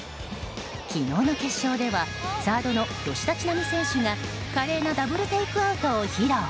昨日の決勝ではサードの吉田知那美選手が華麗なダブルテイクアウトを披露。